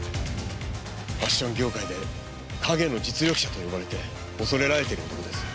ファッション業界で陰の実力者と呼ばれて恐れられている男です。